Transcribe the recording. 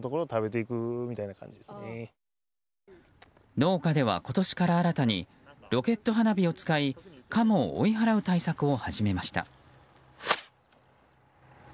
農家では今年から新たにロケット花火を使いカモを追い払う対策を始めました。